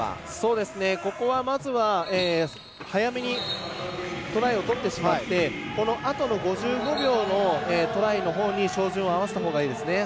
ここはまずは早めにトライを取ってしまってこのあとの５５秒のトライのほうに照準を合わせたほうがいいですね。